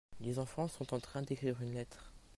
les enfants sont en train d'écrire une lettre.